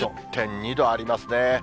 ２０．２度ありますね。